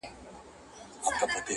و عسکرو تې ول ځئ زموږ له کوره.